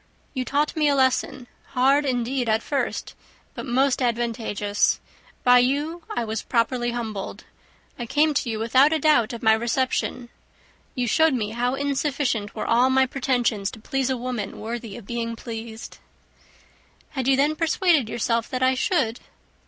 You taught me a lesson, hard indeed at first, but most advantageous. By you, I was properly humbled. I came to you without a doubt of my reception. You showed me how insufficient were all my pretensions to please a woman worthy of being pleased." "Had you then persuaded yourself that I should?"